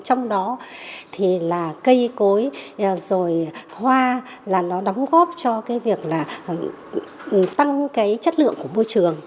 trong đó thì là cây cối rồi hoa là nó đóng góp cho cái việc là tăng cái chất lượng của môi trường